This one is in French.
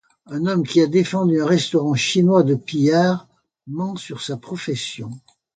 Un homme qui a défendu un restaurant chinois de pillards ment sur sa profession.